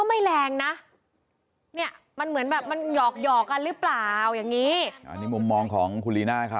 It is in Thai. อย่างงี้มันเหมือนแบบมันหยอกหย่อกันหรือเปล่าม่องของครู